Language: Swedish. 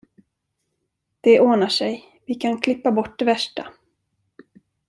Det ordnar sig, vi kan klippa bort det värsta!